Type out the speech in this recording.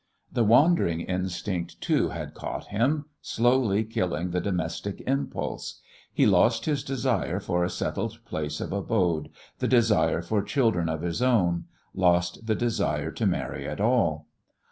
The wandering instinct, too, had caught him, slowly killing the domestic impulse; he lost his desire for a settled place of abode, the desire for children of his own, lost the desire to marry at all.